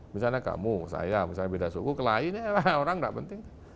misalnya kamu saya misalnya beda suku ke lain ya orang nggak penting